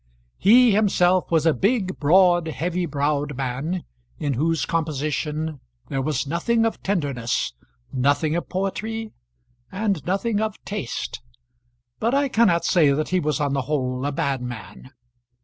He himself was a big, broad, heavy browed man, in whose composition there was nothing of tenderness, nothing of poetry, and nothing of taste; but I cannot say that he was on the whole a bad man.